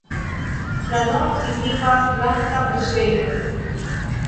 La nomo signifas: "blanka preĝejo".